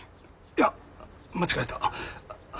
いや間違えた。